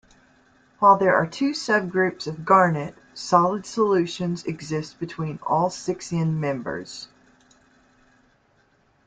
While there are two subgroups of garnet, solid solutions exist between all six end-members.